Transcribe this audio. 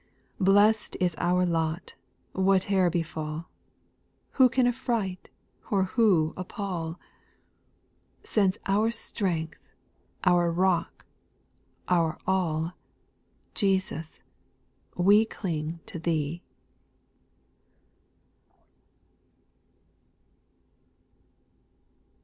Blcss'd is our lot whatever befal ; Who can aJBTright, or who appal ?— Since as our strength, our Rock, our all, Jesus, we cling to Thee.